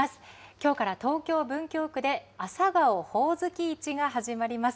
きょうから東京・文京区で、朝顔・ほおずき市が始まります。